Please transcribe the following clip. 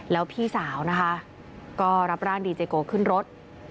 แล้วพี่สาวนะคะก็รับร่างดีเจโกขึ้นรถ